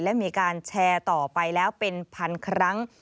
และมีการแชร์ต่อไปแล้วเป็นพันครั้ง